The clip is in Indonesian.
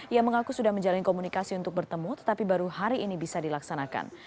ia mengaku sudah menjalin komunikasi untuk bertemu tetapi baru hari ini bisa dilaksanakan